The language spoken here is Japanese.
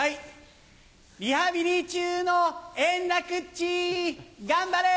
リハビリ中の円楽っち頑張れ！